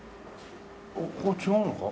ここ違うのか？